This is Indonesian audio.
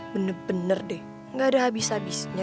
bener bener deh gak ada habis habisnya